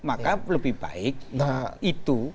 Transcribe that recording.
maka lebih baik itu